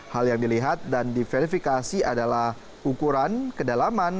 hal yang dilihat dan diverifikasi adalah ukuran kedalaman